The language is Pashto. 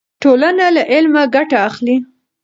ټولنه له علمه ګټه اخلي.